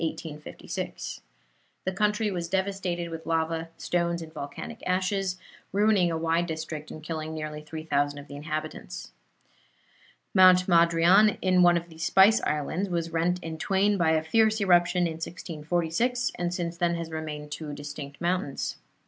The country was devastated with lava, stones and volcanic ashes, ruining a wide district and killing nearly 3,000 of the inhabitants. Mount Madrian in one of the Spice Islands, was rent in twain by a fierce eruption in 1646, and since then has remained two distinct mountains.